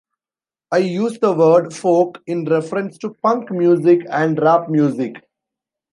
I use the word 'folk' in reference to punk music and rap music.